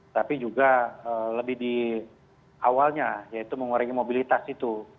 tapi juga lebih di awalnya yaitu mengurangi mobilitas itu